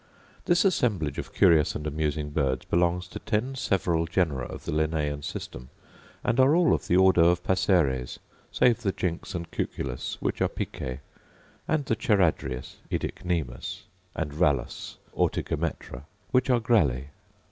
This assemblage of curious and amusing birds belongs to ten several genera of the Linnaean system; and are all of the ordo of passeres, save the jynx and cuculus, which are picae, and the charadrius (oedicnemus) and rallus (ortygometra) which are grallae.